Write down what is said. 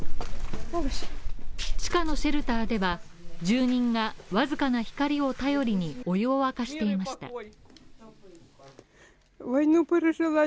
地下のシェルターでは、住人が僅かな光を頼りにお湯を沸かしていました。